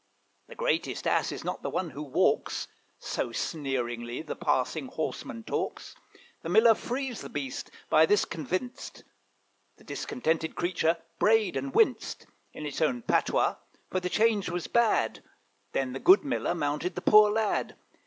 'The greatest ass is not the one who walks,' So sneeringly the passing horseman talks. The Miller frees the beast, by this convinced. The discontented creature brayed and winced In its own patois; for the change was bad: Then the good Miller mounted the poor lad.